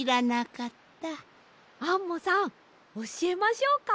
アンモさんおしえましょうか？